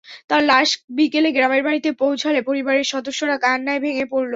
তাঁর লাশ বিকেলে গ্রামের বাড়িতে পৌঁছালে পরিবারের সদস্যরা কান্নায় ভেঙে পড়েন।